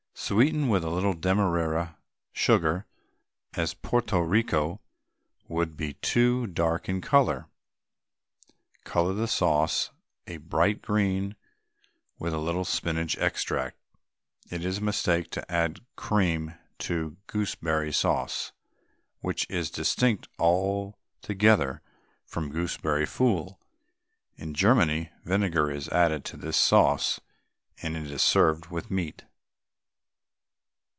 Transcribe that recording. Sweeten with a little Demerara sugar, as Porto Rico would be too dark in colour. Colour the sauce a bright green with a little spinach extract. N.B. It is a mistake to add cream to gooseberry sauce, which is distinct altogether from gooseberry fool. In Germany, vinegar is added to this sauce and it is served with meat.